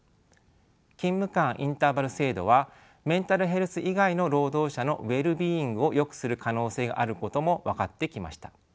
勤務間インターバル制度はメンタルヘルス以外の労働者のウェルビーイングをよくする可能性があることも分かってきました。